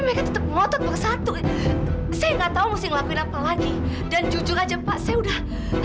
mereka tetep motot bersatu saya nggak tahu ngelakuin apa lagi dan jujur aja pak saya udah